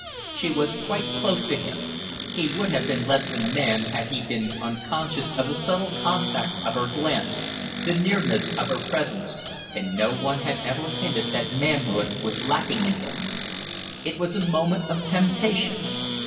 She was quite close to him. He would have been less than man had he been unconscious of the subtle contact of her glance, the nearness of her presence and no one had ever hinted that manhood was lacking in him. It was a moment of temptation.